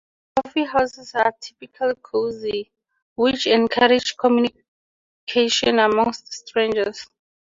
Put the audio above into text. Coffee houses are typically cozy, which encourages communication amongst strangers.